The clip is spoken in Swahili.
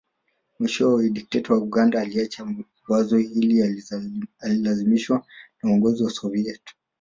Mwishowe dikteta wa Uganda aliacha wazo hili alilazimishwa na uongozi wa Soviet